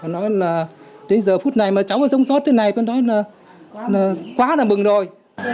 nói là đến giờ phút này mà cháu sống sót thế này cháu nói là quá là mừng rồi